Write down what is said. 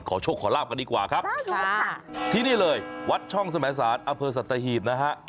โชคขอลาบกันดีกว่าครับที่นี่เลยวัดช่องสมสารอำเภอสัตหีบนะฮะ